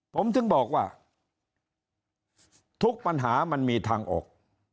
ผมถึงบอกว่าทุกปัญหามันมีทางออก